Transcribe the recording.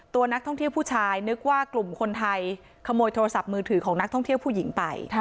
ตัวนักท่องเที่ยวผู้ชายนึกว่ากลุ่มคนไทยขโมยโทรศัพท์มือถือของนักท่องเที่ยวผู้หญิงไป